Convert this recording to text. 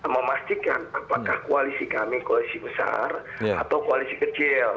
memastikan apakah koalisi kami koalisi besar atau koalisi kecil